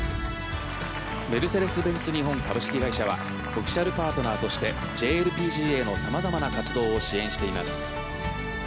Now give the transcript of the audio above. メルセデス・ベンツ日本株式会社はオフィシャルパートナーとしてＪＬＰＧＡの様々な活動を支援しています。